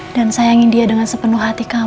dan sayangi dia dengan sepenuh hati kamu mas